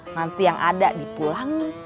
nanti yang ada dipulangin